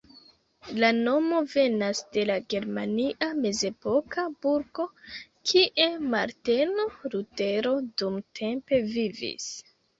La nomo venas de la germania mezepoka burgo, kie Marteno Lutero dumtempe vivis.